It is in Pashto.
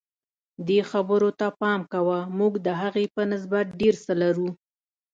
دې خبرې ته پام کوه موږ د هغې په نسبت ډېر څه لرو.